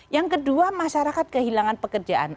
yang kedua masyarakat kehilangan pekerjaan